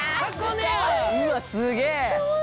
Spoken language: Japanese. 「うわすげえ！